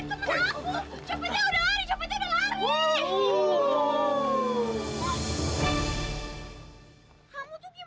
aku ngejar aja aku dikebugin